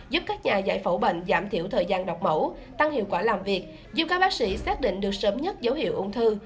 giúp các nhà giải phẫu bệnh giảm thiểu thời gian đọc mẫu tăng hiệu quả làm việc giúp các bác sĩ xác định được sớm nhất dấu hiệu ung thư